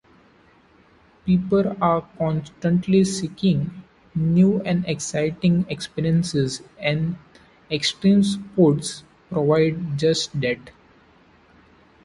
People are constantly seeking new and exciting experiences, and extreme sports provide just that.